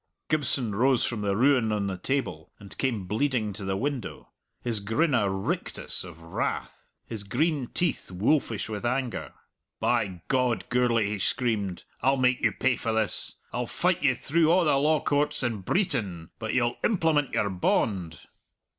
Gibson rose from the ruin on the table and came bleeding to the window, his grin a rictus of wrath, his green teeth wolfish with anger. "By God, Gourlay," he screamed, "I'll make you pay for this; I'll fight you through a' the law courts in Breetain, but you'll implement your bond."